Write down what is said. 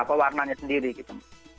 apa warnanya sendiri gitu